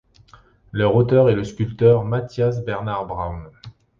Leur auteur est le sculpteur Matyáš Bernard Braun.